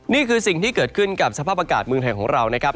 นี่คือสิ่งที่เกิดขึ้นกับสภาพอากาศเมืองไทยของเรานะครับ